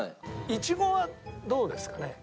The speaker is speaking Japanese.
イチゴはどうですかね？